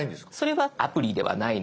それはアプリではないので。